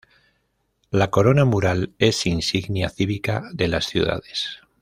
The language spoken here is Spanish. La corona mural es insignia cívica de las ciudades.